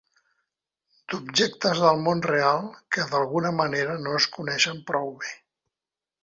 d'objectes del món real, que d'alguna manera no es coneixen prou bé.